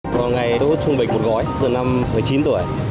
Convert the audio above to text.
có ngày tôi hút thuốc bệnh một gói từ năm một mươi chín tuổi